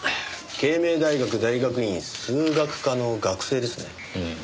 慶明大学大学院数学科の学生ですね。